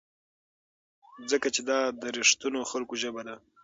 ځکه چې دا د رښتینو خلکو ژبه ده.